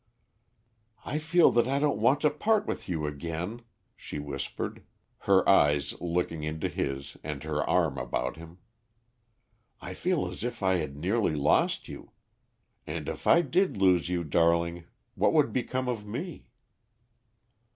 "I feel that I don't want to part with you again," she whispered, her eyes looking into his and her arm about him. "I feel as if I had nearly lost you. And if I did lose you, darling, what would become of me?"